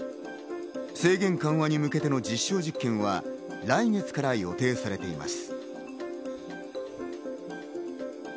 制限緩和に向けての実証実験は来月から予定されています。